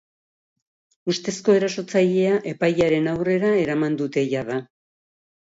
Ustezko erasotzailea epailearen aurrera eraman dute jada.